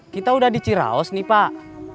kita udah di ciraos nih pak